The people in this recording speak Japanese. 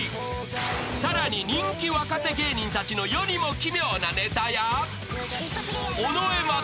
［さらに人気若手芸人たちの世にも奇妙なネタや］